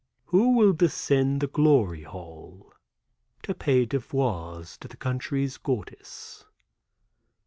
"Who will descend the Glory Hall to pay devoirs to the country's goddess."